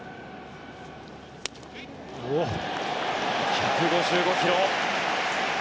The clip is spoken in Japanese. １５５キロ。